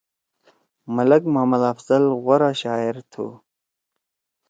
ملک محمد افضل غورا شاعر تُھو۔